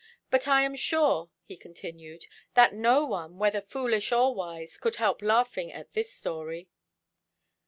But I am sure," he continued, "that no one, whether foolish or wise, could help laughing at this story."